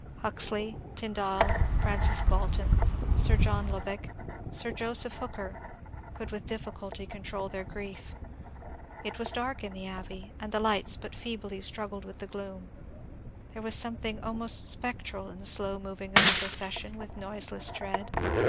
Huxley, Tyndall, Francis Galton, Sir John Lubbock, Sir Joseph Hooker, could with difficulty control their grief. It was dark in the Abbey and the lights but feebly struggled with the gloom. There was something almost spectral in the slow moving of the proces sion with noiseless tread.